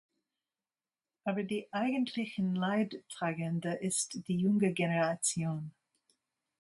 Aber die eigentlichen Leidtragende ist die junge Generation.